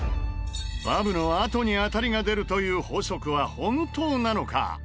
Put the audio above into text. バブのあとに当たりが出るという法則は本当なのか？